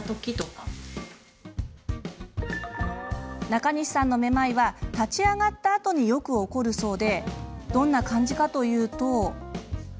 中西さんのめまいは立ち上がったあとによく起こるそうでどんな感じかというと。